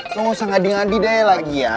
lo gak usah ngadi ngadi deh lagi ya